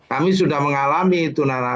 kami sudah mengalami itu nara